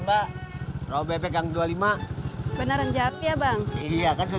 anu be citra minta diantriin ke warung